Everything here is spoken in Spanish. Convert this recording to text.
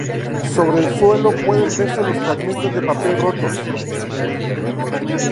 Sobre el suelo pueden verse los fragmentos de papel rotos.